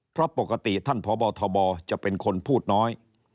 เพราะปกติท่านพบทบจะเป็นคนพูดน้อย